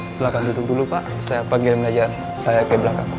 silahkan duduk dulu pak saya panggil meja saya ke belakang